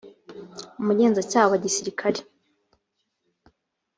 umugenzacyaha wa gisirikari